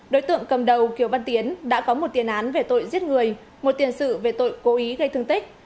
đối tượng cầm đầu kiều văn tiến đã có một tiền án về tội giết người một tiền sự về tội cố ý gây thương tích